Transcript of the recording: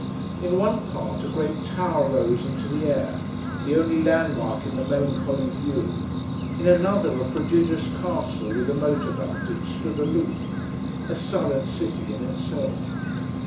In one part, a great tower rose into the air; the only landmark in the melancholy view. In another, a prodigious castle, with a moat about it, stood aloof: a sullen city in itself.